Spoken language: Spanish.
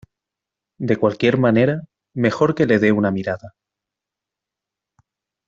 De cualquier manera mejor que le de una mirada.